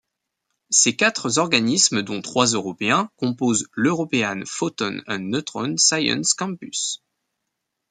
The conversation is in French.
Ces quatre organismes dont trois européens composent l'European Photon and Neutron Science Campus.